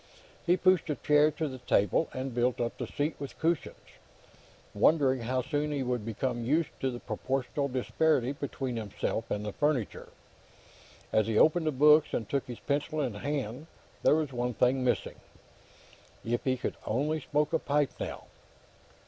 He pushed a chair to the table and built up the seat with cushions, wondering how soon he would become used to the proportional disparity between himself and the furniture. As he opened the books and took his pencil in his hand, there was one thing missing. If he could only smoke a pipe, now!